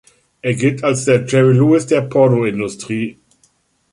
Er gilt als der Jerry Lewis der Pornoindustrie.